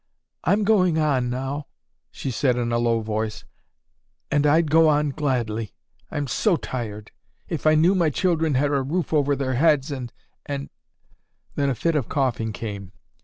'I'm going on now,' she said in a low voice, 'and I'd go on gladly,—I'm so tired—if I knew my children had a roof over their heads and—and—,' then a fit of coughing came.